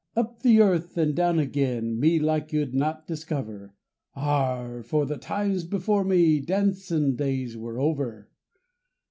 Up the earth and down again, me like you'd not discover; Arrah! for the times before me dancin' days were over!